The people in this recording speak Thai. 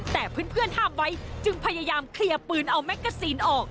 แต่เพื่อนห้ามไว้จึงพยายามเคลียร์ปืนเอาแมกกาซีนออก